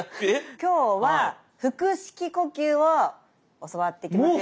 今日は腹式呼吸を教わっていきますよ。